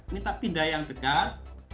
minta pindah yang dekat